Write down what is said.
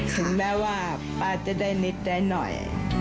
ถึงแม้ว่าป้าจะได้นิดได้หน่อย